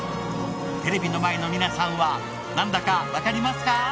テレビの前の皆さんはなんだかわかりますか？